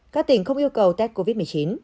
các tỉnh không yêu cầu test covid một mươi chín